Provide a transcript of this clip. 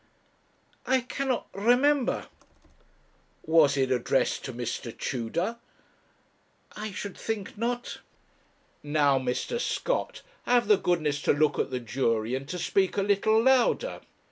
'I cannot remember.' 'Was it addressed to Mr. Tudor?' 'I should think not.' 'Now, Mr. Scott, have the goodness to look at the jury, and to speak a little louder.